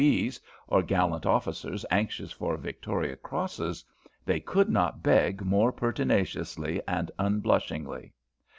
's, or gallant soldiers anxious for Victoria Crosses, they could not beg more pertinaciously and unblushingly."